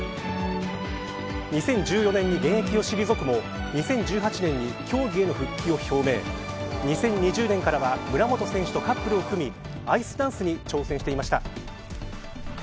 ２０１４年に現役を退くも２０１８年に競技への復帰を表明２０２０年からは村元選手とカップルを組みアイスダンスに挑戦していました。